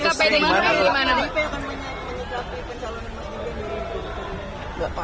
pdip semuanya menyatakan pencalonan mbak mbak mbak